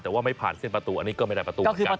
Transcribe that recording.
แต่ว่าไม่ผ่านเส้นประตูอันนี้ก็ไม่ได้ประตูเหมือนกัน